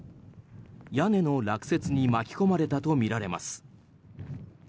屋根の落雪に巻き込まれたとみられます。